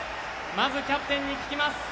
まず、キャプテンに聞きます。